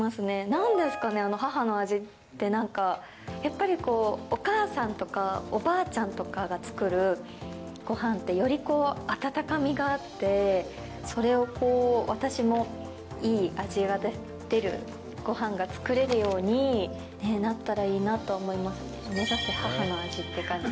なんですかね、母の味って、なんか、やっぱりこう、お母さんとかおばあちゃんとかが作るごはんって、よりこう、温かみがあって、それをこう、私もいい味が出るごはんが作れるようになったらいいなと思いますね。